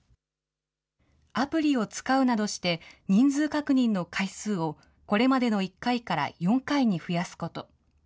アプリを使うなどして、人数確認の回数を、これまでの１回から４回に増やすこと。